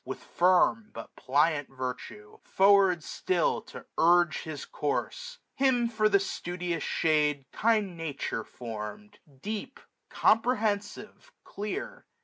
With firm but pliant virtue, forward still To urge his course ; him for the studious shade Kind Nature form'd ; deep, comprehensive, clear.